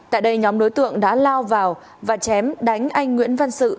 tại đây nhóm đối tượng đã lao vào và chém đánh anh nguyễn văn sự